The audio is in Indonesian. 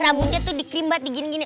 rambutnya tuh dikrimbat diginiin